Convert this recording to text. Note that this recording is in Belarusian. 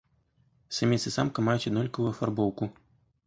Самец і самка маюць аднолькавую афарбоўку.